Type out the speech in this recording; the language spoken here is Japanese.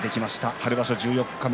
春場所、十四日目。